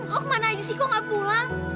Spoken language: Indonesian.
lo kemana aja sih kok nggak pulang